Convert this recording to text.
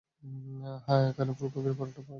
হ্যাঁঁ, এখানে ফুলকপির পরোটা পাওয়া যায়।